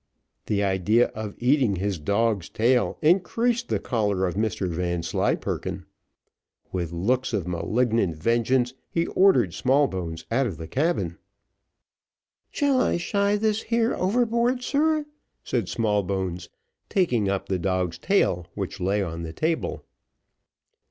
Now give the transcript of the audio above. The idea of eating his dog's tail increased the choler of Mr Vanslyperken. With looks of malignant vengeance he ordered Smallbones out of the cabin. "Shall I shy this here overboard, sir?" said Smallbones, taking up the dog's tail, which lay on the table.